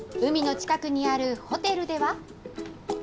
海の近くにあるホテルでは。